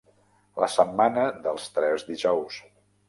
La setmana dels tres dijous.